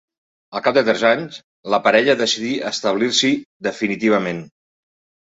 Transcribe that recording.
Al cap de tres anys la parella decidí establir-s'hi definitivament.